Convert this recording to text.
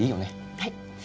はい。